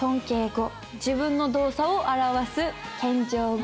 自分の動作を表す謙譲語。